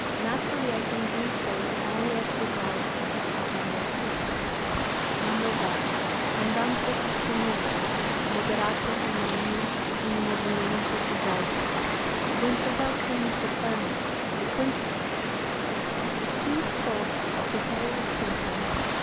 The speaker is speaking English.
Naturally, I can do so only as regards its general features. "[I. Andante sostenuto; Moderato con anima in movimento di valse] "The Introduction is the kernel, the quintessence, the chief thought of the whole symphony.